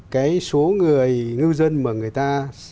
cái số người ngư dân mà người ta